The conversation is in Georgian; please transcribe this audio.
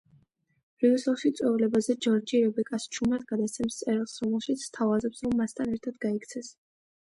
ბრიუსელში, წვეულებაზე ჯორჯი რებეკას ჩუმად გადასცემს წერილს, რომელშიც სთავაზობს, რომ მასთან ერთად გაიქცეს.